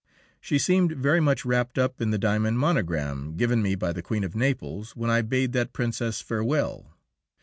She seemed very much wrapped up in the diamond monogram given me by the Queen of Naples when I bade that Princess farewell.